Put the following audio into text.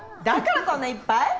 だからこんないっぱい？